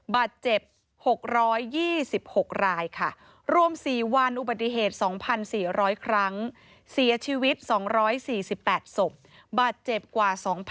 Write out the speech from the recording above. บาดเจ็บ๖๒๖รายค่ะ